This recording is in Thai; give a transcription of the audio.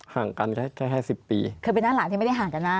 ห่างกันแค่แค่สิบปีคือเป็นหน้าหลานที่ไม่ได้ห่างกันนะ